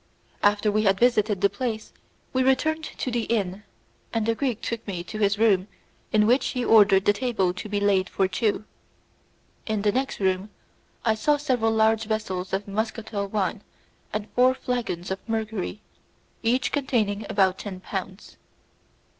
After we had visited the palace we returned to the inn, and the Greek took me to his room, in which he ordered the table to be laid for two. In the next room I saw several large vessels of muscatel wine and four flagons of mercury, each containing about ten pounds.